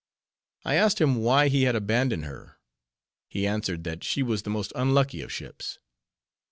I asked him why he had abandoned her; he answered that she was the most unlucky of ships.